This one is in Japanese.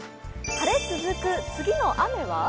晴れつづく、次の雨は？